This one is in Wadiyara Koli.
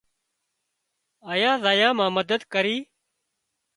آيا زايا مان مدد ڪري۔